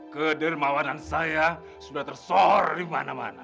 kedermawanan saya sudah tersor di mana mana